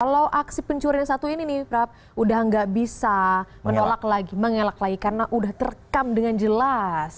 kalau aksi pencurian satu ini nih prap udah nggak bisa menolak lagi mengelak lagi karena udah terekam dengan jelas